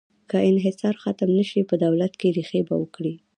که انحصار ختم نه شي، په دولت کې ریښې به وکړي.